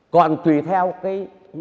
còn tùy theo cái